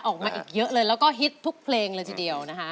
ออกมาอีกเหลือแล้วก็ทิศทุกเพลงเลยกันเดียว